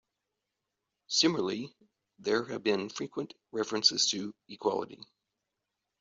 Similarly, there have been frequent references to equity.